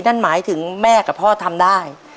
นั่นหมายถึงแม่กับพ่อทำได้